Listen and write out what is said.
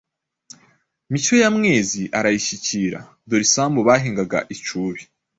Mishyo ya Myezi arayishyikira. Dore isambu bahingaga i Cubi